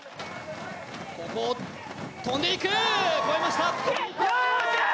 ここを飛んでいく、越えました！